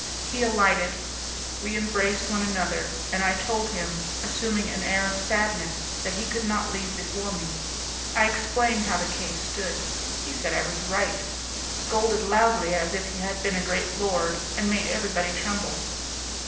He alighted, we embraced one another, and I told him, assuming an air of sadness, that he could not leave before me. I explained how the case stood; he said I was right, scolded loudly, as if he had been a great lord, and made everybody tremble.